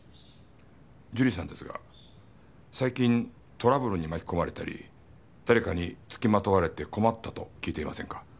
樹里さんですが最近トラブルに巻き込まれたり誰かに付きまとわれて困ったと聞いていませんか？